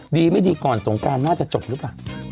ดีไม่ดีก่อนสงการน่าจะจบหรือเปล่า